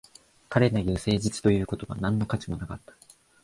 彼の言う誠実という言葉は何の価値もなかった